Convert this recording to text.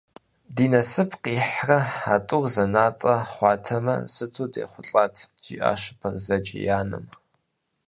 Ди насып къихьрэ а тӏур зэнатӏэ хъуатэмэ, сыту дехъулӏат, - жиӏащ Бэрзэдж и анэм.